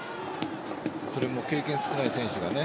それも経験少ない選手が。